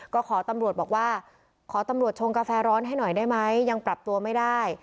ก็ขอตำรวจบอกว่าขอตำรวจชงกาแฟร้อนให้หน่อยได้ไหมยังปรับตัวไม่ได้